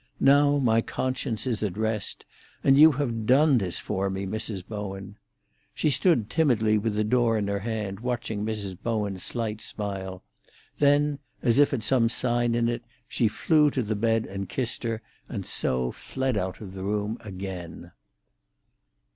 "Now, my conscience is at rest. And you have done this for me, Mrs. Bowen!" She stood timidly with the door in her hand, watching Mrs. Bowen's slight smile; then, as if at some sign in it, she flew to the bed and kissed her, and so fled out of the room again.